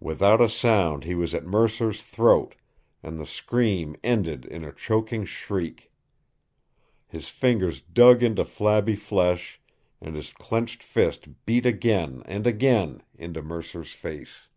Without a sound he was at Mercer's throat, and the scream ended in a choking shriek. His fingers dug into flabby flesh, and his clenched fist beat again and again into Mercer's face.